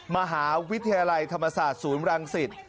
มหาวิทยาลัยธรรมศาสตร์ศูนย์รังสิต